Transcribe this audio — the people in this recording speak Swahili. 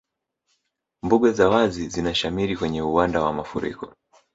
Mbuga za wazi zinashamiri kwenye uwanda wa mafuriko